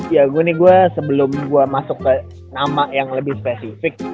ya gua nih gua sebelum gua masuk ke nama yang lebih spesifik